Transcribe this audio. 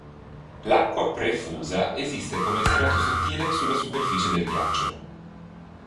L'acqua pre-fusa esiste come strato sottile sulla superficie del ghiaccio.